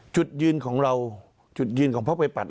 จุดยืนของเราจุดยืนของพักไปปัตย